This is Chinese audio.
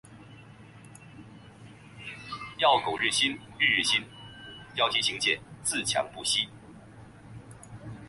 要苟日新，日日新。要天行健，自强不息。